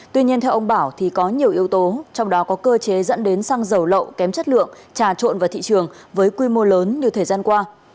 tuy nhiên theo ông bảo thì có nhiều yếu tố trong đó có cơ chế dẫn đến xăng dầu lậu kém chất lượng trà trộn vào thị trường với quy mô lớn như thời gian qua